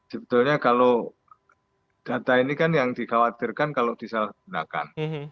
sebetulnya kalau data ini kan yang dikhawatirkan kalau disalahgunakan